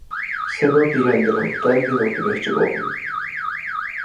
سېنىڭ دېگەنلىرىڭ دەل مېنىڭ دېمەكچى بولغىنىم.